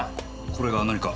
これが何か？